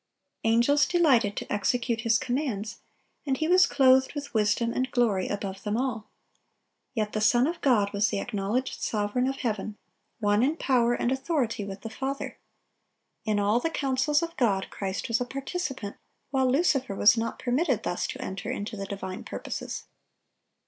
Angels delighted to execute his commands, and he was clothed with wisdom and glory above them all. Yet the Son of God was the acknowledged Sovereign of heaven, one in power and authority with the Father. In all the counsels of God, Christ was a participant, while Lucifer was not permitted thus to enter into the divine purposes.